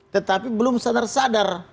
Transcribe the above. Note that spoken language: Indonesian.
tetapi belum sadar sadar